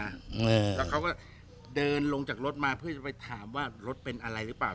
แล้วเขาก็เดินลงจากรถมาเพื่อจะไปถามว่ารถเป็นอะไรหรือเปล่า